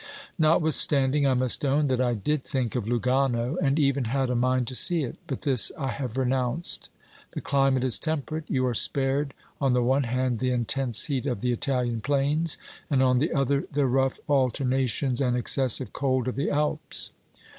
Notwithstanding, I must own that I did think of Lugano, and even had a mind to see it, but this I have renounced. OBERMANN 297 The climate is temperate ; you are spared on the one hand the intense heat of the Itahan plains, and, on the otlier, the rough alternations and excessive cold of the Alps.